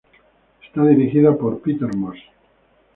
Está dirigida por Peter Moss.